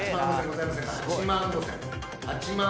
８万５，０００。